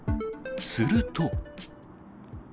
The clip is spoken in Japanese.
すると。